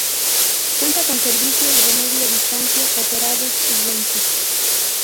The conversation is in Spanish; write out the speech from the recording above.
Cuenta con servicios de media distancia operados Renfe.